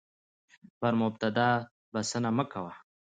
پر مبتدا بسنه مه کوه،